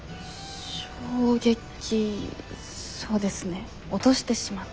衝撃そうですね落としてしまって。